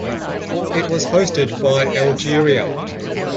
It was hosted by Algeria.